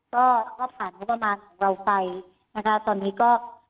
ก็ก็ผ่านงบประมาณของเราไปนะคะตอนนี้ก็